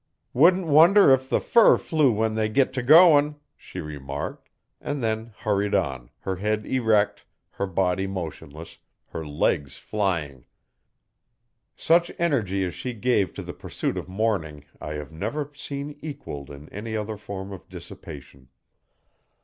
'Wouldn't wonder 'f the fur flew when they git t' going',' she remarked, and then hurried on, her head erect, her body motionless, her legs flying. Such energy as she gave to the pursuit of mourning I have never seen equalled in any other form of dissipation.